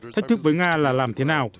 thách thức với nga là làm thế nào